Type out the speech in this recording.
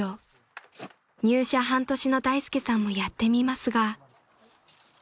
［入社半年の大介さんもやってみますが］